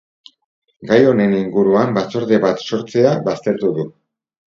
Gai honen inguruan batzorde bat sortzea baztertu du.